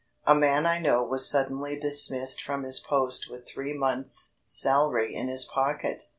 A man I know was suddenly dismissed from his post with three months' salary in his pocket.